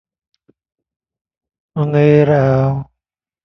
หนาวเว้ย โฮ่ง